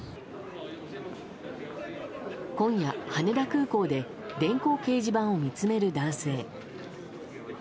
今夜、羽田空港で電光掲示板を見つめる男性。